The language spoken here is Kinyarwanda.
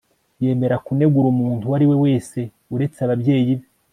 Yemera kunegura umuntu uwo ari we wese uretse ababyeyi be